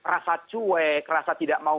rasa cuek rasa tidak mau